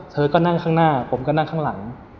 เธอก็นั่งข้างหน้าผมก็นั่งข้างหลัง